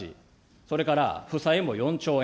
それから負債も４兆円。